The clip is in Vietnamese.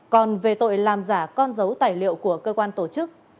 còn về tội làm giả con dấu tài liệu của cơ quan tổ chức